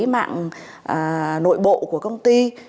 mạng nội bộ của công ty